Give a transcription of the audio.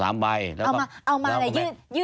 เอามาน่ะยื่นให้เลย